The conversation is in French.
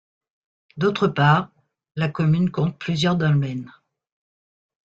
D'autre part, la commune compte plusieurs dolmens.